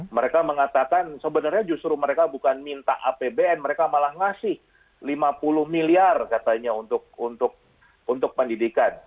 mereka mengatakan sebenarnya justru mereka bukan minta apbn mereka malah ngasih lima puluh miliar katanya untuk pendidikan